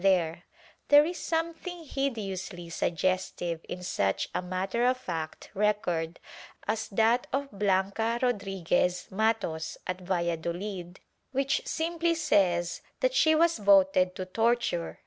There is something hideously sugges tive in such a matter of fact record as that of Blanca Rodriguez Matos, at Valladolid, which simply says that she was voted to torture.